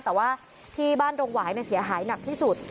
แต่ว่าที่บ้านดงหวายเสียหายหนักที่สุด